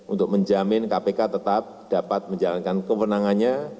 untuk menjamin kpk tetap dapat menjalankan kewenangannya